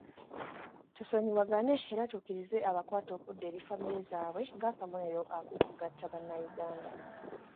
Tusonyiwagane era tukkirize abakwate okudda eri famire zaabwe ng'akabonero ak'okugatta bannayuganda.